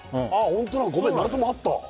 ホントだごめんなるともあった